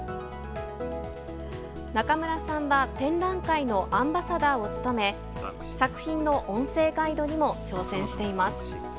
中村さんは展覧会のアンバサダーを務め、作品の音声ガイドにも挑戦しています。